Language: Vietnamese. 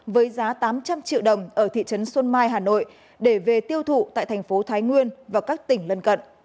với giá tám trăm linh triệu đồng ở thị trấn xuân mai hà nội để về tiêu thụ tại thành phố thái nguyên và các tỉnh lân cận